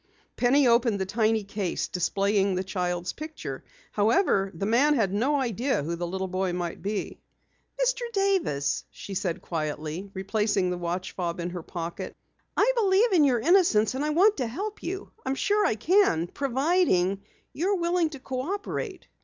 Penny opened the tiny case, displaying the child's picture. However, the man had no idea who the little boy might be. "Mr. Davis," she said quietly, replacing the watch fob in her pocket. "I believe in your innocence, and I want to help you. I am sure I can, providing you are willing to cooperate."